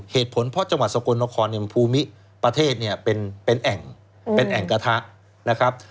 เหตุผลเพราะจังหวัดสกลนครภูมิประเทศเนี่ยเป็นแอ่งเป็นแอ่งกระทะนะครับ